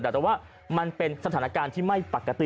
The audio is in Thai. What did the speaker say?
แต่ว่ามันเป็นสถานการณ์ที่ไม่ปกติ